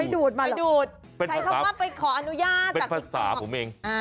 ดูดไปดูดใช้คำว่าไปขออนุญาตจากอีกครั้งหรอเป็นภาษาผมเอง